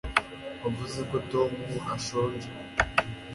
wavuze ko tom ashonje